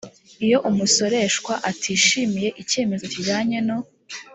iyo umusoreshwa atishimiye icyemezo kijyanye no